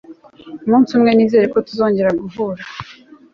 umunsi umwe nizere ko tuzongera guhura